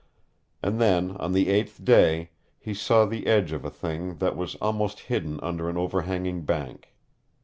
And then, on the eighth day, he saw the edge of a thing that was almost hidden under an overhanging bank.